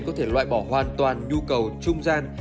có thể loại bỏ hoàn toàn nhu cầu trung gian